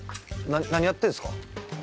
何やってんすか？